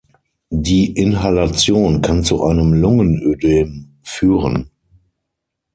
Die Inhalation kann zu einem Lungenödem führen.